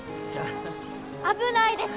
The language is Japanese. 危ないです！